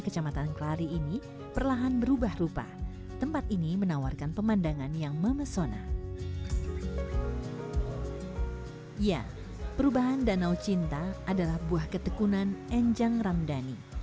ya perubahan danau cinta adalah buah ketekunan enjang ramdhani